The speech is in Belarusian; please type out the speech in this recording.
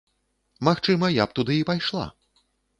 Магчыма, я б туды і пайшла.